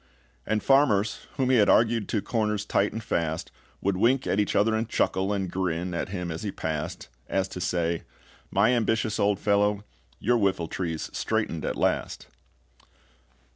And farmers, whom he had argued To corners tight and fast, Would wink at each other and chuckle, And grin at him as he passed, As to say, "My ambitious old fellow, your whiffletree's straightened at last."